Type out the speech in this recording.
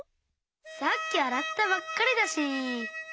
さっきあらったばっかりだしいいや！